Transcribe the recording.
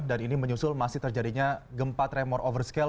dan ini menyusul masih terjadinya gempat remor overscale